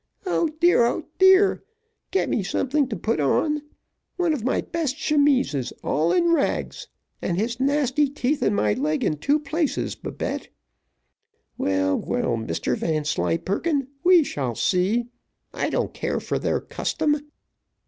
O dear! O dear! get me something to put on. One of my best chemises all in rags and his nasty teeth in my leg in two places, Babette. Well, well, Mr Vanslyperken, we shall see I don't care for their custom.